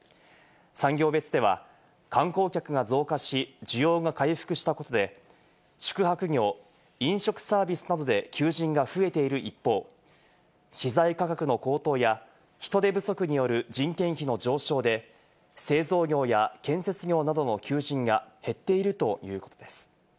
産業別では、観光客が増加し、需要が回復したことで宿泊業、飲食サービスなどで求人が増えている一方、資材価格の高騰や人手不足による人件費の上昇で製造業や建設業などの求人が減っているということです。